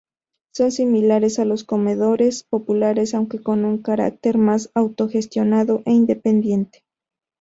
Son similares a los comedores populares, aunque con un carácter más autogestionado e independiente.